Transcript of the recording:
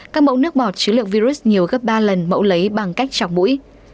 các mẫu nước bọt chứa lượng virus nhiều gấp ba lần mẫu lấy bằng cách chặt mũi